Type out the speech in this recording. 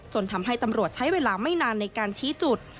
ทำให้ตำรวจใช้เวลาไม่นานในการชี้จุด